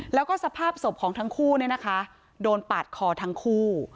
แล้วก็สภาพศพของทั้งคู่เนี่ยนะคะโดนปาดคอทั้งคู่